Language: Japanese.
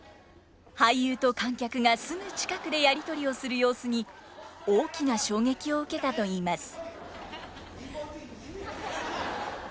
俳優と観客がすぐ近くでやり取りをする様子に大きな衝撃を受けたといいます。